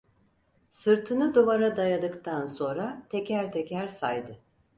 Sırtını duvara dayadıktan sonra teker teker saydı: